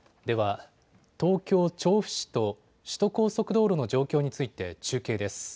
では東京調布市と首都高速道路の状況について中継です。